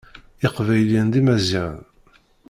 Iqbayliyen d imaziɣen.